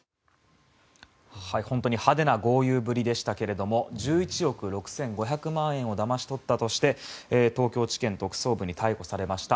本当に派手な豪遊ぶりでしたが１１億６５００万円をだまし取ったとして東京地検特捜部に逮捕されました